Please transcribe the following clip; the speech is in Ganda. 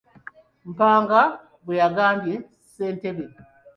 Mpanga bwe yagambye sentebbe.